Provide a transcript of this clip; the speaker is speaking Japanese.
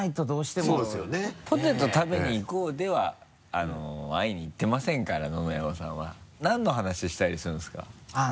「ポテト食べに行こう」では会いに行ってませんから野々山さんは。何の話したりするんですか？